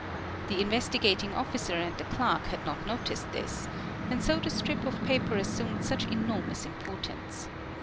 The Investigating Officer and the clerk had not noticed this and so the strip of paper assumed such enor — mous importance.